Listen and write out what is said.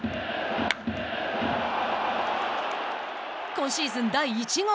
今シーズン第１号。